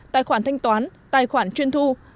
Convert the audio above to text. tài khoản thanh toán tài khoản chuyên thu